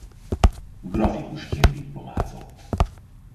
Grafikusként diplomázott.